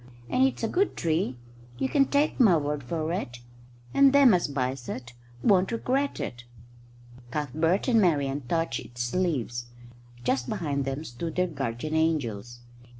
And it's a good tree. You can take my word for it. And them as buys it won't regret it." Cuthbert and Marian touched its leaves. Just behind them stood their guardian angels.